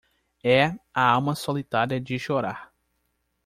É a alma solitária de chorar